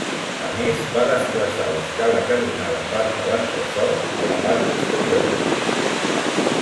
A més va desplaçar l'escala que donava part a l'entresòl a la part posterior.